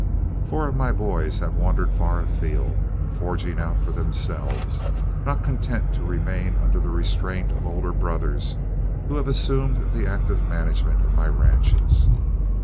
Four of my boys have wandered far afield, forging out for themselves, not content to remain under the restraint of older brothers who have assumed the active management of my ranches.